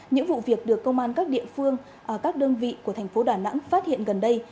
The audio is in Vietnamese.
những vụ việc được công an các địa phương các đơn vị của thành phố đà nẵng phát hiện gần đây